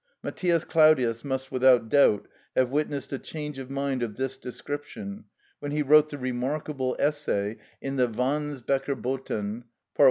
Matthias Claudius must without doubt have witnessed a change of mind of this description when he wrote the remarkable essay in the "Wandsbecker Boten" (pt.